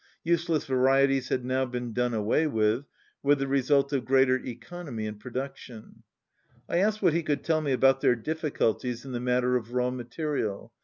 Useless va rieties had now been done away with, with the result of greater economy in production. I asked what he could tell me about their diffi culties in the matter of raw material.